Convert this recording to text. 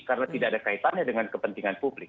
karena tidak ada kaitannya dengan kepentingan publik